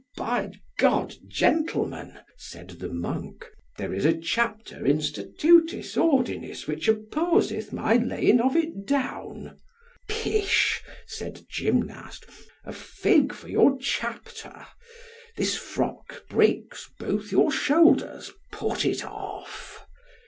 Ho, by G , gentlemen, said the monk, there is a chapter in Statutis Ordinis which opposeth my laying of it down. Pish! said Gymnast, a fig for your chapter! This frock breaks both your shoulders, put it off.